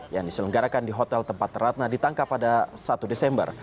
yang diselenggarakan di hotel tempat ratna ditangkap pada satu desember